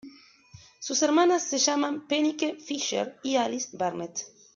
Sus hermanas se llaman Penique Fischer y Alice Barnett.